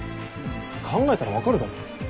考えたら分かるだろ。